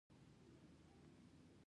هر غږ یو داستان لري.